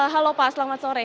halo pak selamat sore